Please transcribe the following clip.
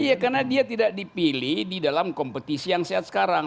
iya karena dia tidak dipilih di dalam kompetisi yang sehat sekarang